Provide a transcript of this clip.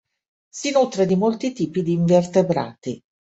Si nutre di molti tipi di invertebrati.